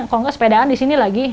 kalau nggak sepedaan di sini lagi